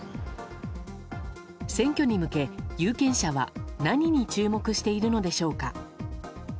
選挙に向け、有権者は何に注目しているのでしょうか。